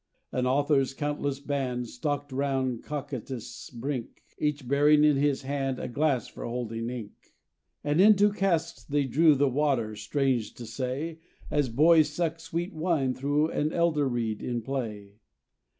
"An author's countless band, Stalked round Cocytus' brink, Each bearing in his hand A glass for holding ink. "And into casks they drew The water, strange to say, As boys suck sweet wine through An elder reed in play.